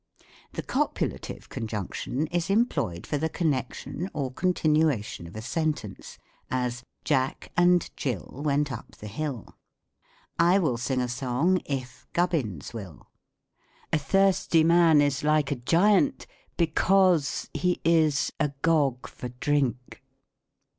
The Copulative Conjunction is employed for the con nection or continuation of a sentence : as, " Jack a?id "Gill went up the Hill," "I will sing a song if Gub bins will." " A thirsty man is like a Giant because he is a Gog for drink."